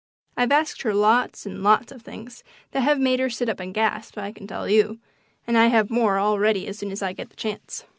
I've asked her lots and lots of things that have made her sit up and gasp, I can tell you, and I have more all ready as soon as I get the chance.